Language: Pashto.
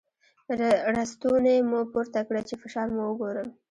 ړستونی مو پورته کړی چې فشار مو وګورم.